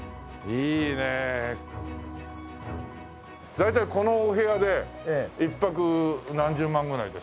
大体このお部屋で１泊何十万ぐらいですか？